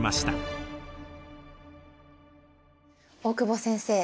大久保先生